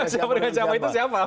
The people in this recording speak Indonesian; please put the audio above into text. siapa dengan cawapres itu siapa